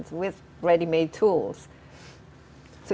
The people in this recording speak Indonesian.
dengan alat yang sudah dibuat